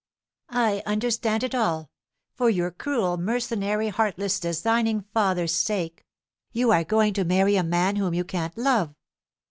I understand it all. For your cruel mercenary heartless designing father's sake, you are going to marry a man whom you can't love.